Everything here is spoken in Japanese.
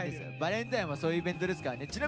バレンタインはそういうイベントですからね。